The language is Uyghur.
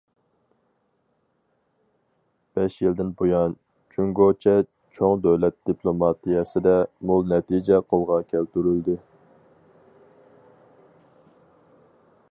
بەش يىلدىن بۇيان، جۇڭگوچە چوڭ دۆلەت دىپلوماتىيەسىدە مول نەتىجە قولغا كەلتۈرۈلدى.